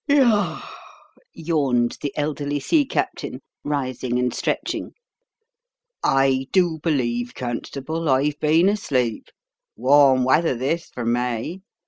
"Yar r r!" yawned the elderly sea captain, rising and stretching. "I do believe, constable, I've been asleep. Warm weather, this, for May.